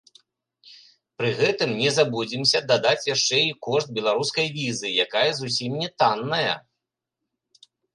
Пры гэтым, не забудземся дадаць яшчэ і кошт беларускай візы, якая зусім не танная!